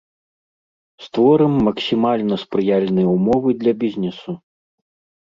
Створым максімальна спрыяльныя ўмовы для бізнесу.